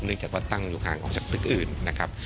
จากว่าตั้งอยู่ห่างออกจากตึกอื่นนะครับ